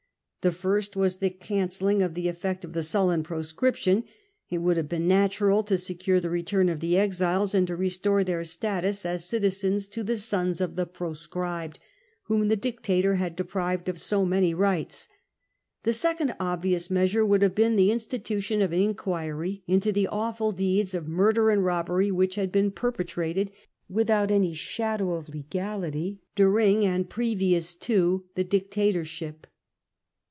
The first was the cancelling of the effect of the Sullan Proscription ; it would have been natural to secure the return of the exiles, and to restore their status as LEGISLATION OF CEASSUS AND POMPEY 177 citizens to the Sons of the Proscribed/' whom the dicta tor had depriyed of so many rights. The second obvious measure would have been the institution of an inquiry into the awful deeds of murder and robbery which had been perpetrated, without any shadow of legality, during and previous to the dictatorship.